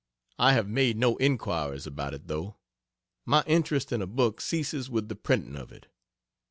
I have made no inquiries about it, though. My interest in a book ceases with the printing of it.